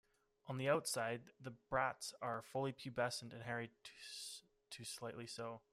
On the outside, the bracts are fully pubescent, hairy to slightly so.